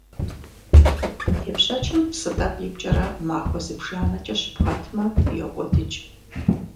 Тепщэчым псы тӀэкӀу ипкӀэрэ махуэ зыбжанэкӀэ щыбгъэтмэ, йокӀуэдыкӀ.